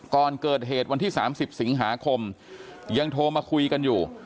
ก่อนเกิดเหตุวันที่๓๐สิงหาคมยังโทรมาคุยกันอยู่